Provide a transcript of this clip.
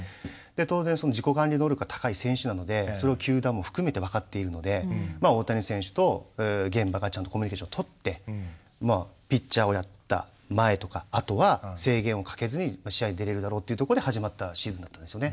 当然自己管理能力が高い選手なのでそれを球団も含めて分かっているので大谷選手と現場がちゃんとコミュニケーションとってピッチャーをやった前とかあとは制限をかけずに試合に出れるだろうというとこで始まったシーズンだったんですよね。